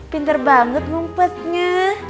pinter banget numpetnya